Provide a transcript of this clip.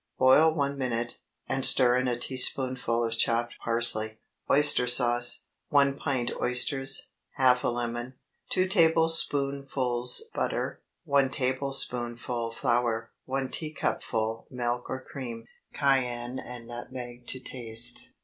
Boil one minute, and stir in a teaspoonful of chopped parsley. OYSTER SAUCE. ✠ 1 pint oysters. Half a lemon. 2 tablespoonfuls butter. 1 tablespoonful flour. 1 teacupful milk or cream. Cayenne and nutmeg to taste.